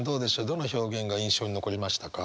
どの表現が印象に残りましたか？